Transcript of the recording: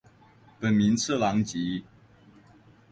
本名次郎吉。